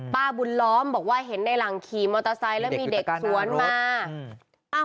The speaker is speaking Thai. ป้าบุญล้อมบอกว่าเห็นในหลังขี่มอเตอร์ไซค์แล้วมีเด็กสวนมา